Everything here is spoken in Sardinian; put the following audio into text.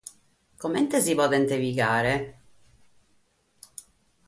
Comente si podent pigare?